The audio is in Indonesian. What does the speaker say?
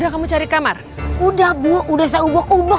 kamu dari semalam belum istirahat